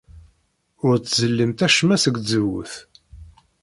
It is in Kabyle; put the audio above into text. Ur ttzellimt acemma seg tzewwut.